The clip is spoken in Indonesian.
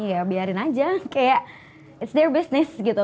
ya biarin aja kayak it s their business gitu